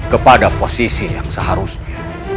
kepada posisi yang seharusnya